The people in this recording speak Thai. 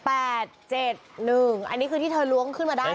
อันนี้คือที่เธอล้วงขึ้นมาได้